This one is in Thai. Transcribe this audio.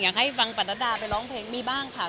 ให้ฟังปนัดดาไปร้องเพลงมีบ้างค่ะ